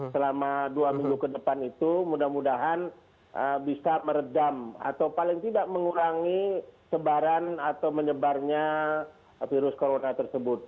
selama dua minggu ke depan itu mudah mudahan bisa meredam atau paling tidak mengurangi sebaran atau menyebarnya virus corona tersebut